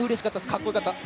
かっこよかった。